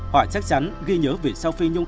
họ chắc chắn ghi nhớ vị sao phi nhung